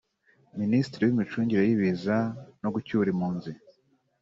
Minisitiri w’Imicungire y’Ibiza no gucyura impunzi